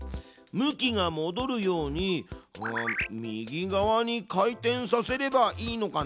向きがもどるように右側に回転させればいいのかな。